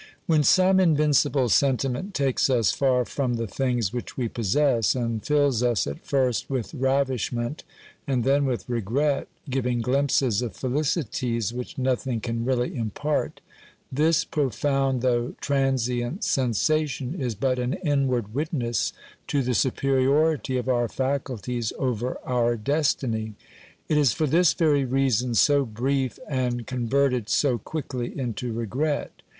When some invincible sentiment takes us far from the things which we possess and fills us at first with ravishment and then with regret, giving glimpses of felicities which nothing can really impart, this pro found though transient sensation is but an inward witness to the superiority of our faculties over our OBERMANN 59 destiny. It is for this very reason so brief, and con verted so quickly into regret.